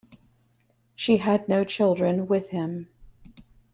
She had no children with him.